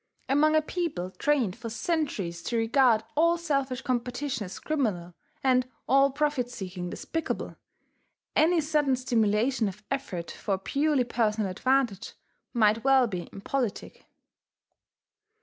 Among a people trained for centuries to regard all selfish competition as criminal, and all profit seeking despicable, any sudden stimulation of effort for purely personal advantage might well be impolitic.